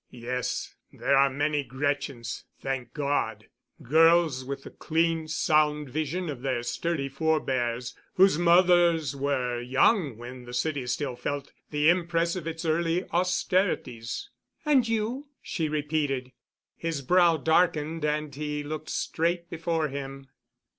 "Yes, there are many Gretchens, thank God. Girls with the clean, sound vision of their sturdy forbears, whose mothers were young when the city still felt the impress of its early austerities." "And you?" she repeated. His brow darkened and he looked straight before him.